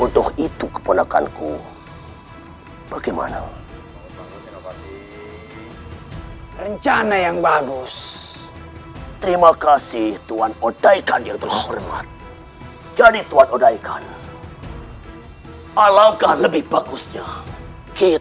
dalam masalah ini